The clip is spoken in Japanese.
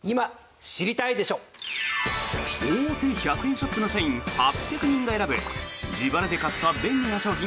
大手１００円ショップの社員８００人が選ぶ自腹で買った便利な商品